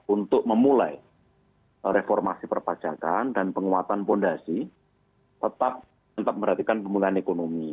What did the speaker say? untuk memulai reformasi perpajakan dan penguatan fondasi tetap memperhatikan pemulihan ekonomi